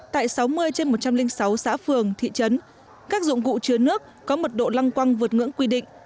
tại sáu mươi trên một trăm linh sáu xã phường thị trấn các dụng cụ chứa nước có mật độ lăng quăng vượt ngưỡng quy định